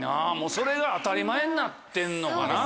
それが当たり前になってんのかな？